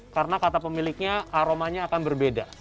karena kata pemiliknya aromanya akan berbeda